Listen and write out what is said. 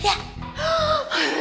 dokternya masih ada